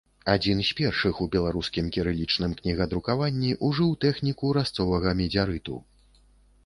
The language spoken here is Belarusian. Адзін з першых у беларускім кірылічным кнігадрукаванні ўжыў тэхніку разцовага медзярыту.